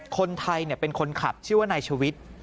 คนไทยเป็นคนขับชื่อว่านายชวิต